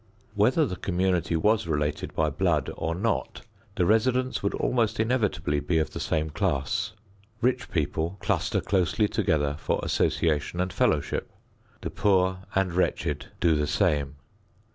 Whether the community was related by blood or not, the residents would almost inevitably be of the same class. Rich people cluster closely together for association and fellowship. The poor and wretched do the same.